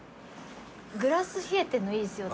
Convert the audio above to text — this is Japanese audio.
グラス冷えてんのいいですよね。